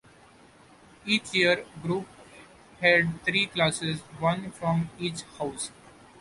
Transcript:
Each year group had three classes, one from each house.